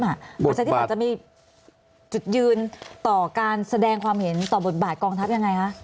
อาศัยที่หลักจะมีจุดยืนต่อการแสดงความเห็นต่อบทบาทกองทัพอย่างไรคะ